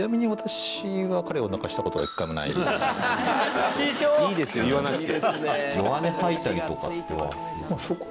伊達：いいですよ、言わなくて。